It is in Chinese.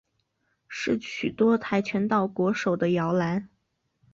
是许多跆拳道国手的摇篮。